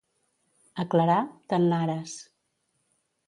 A Clerà, tannares.